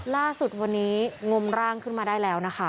ล่าสุดวันนี้งมร่างขึ้นมาได้แล้วนะคะ